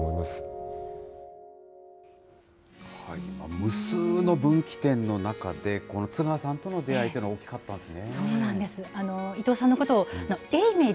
無数の分岐点の中で、この津川さんとの出会いというのは大きかったんですね。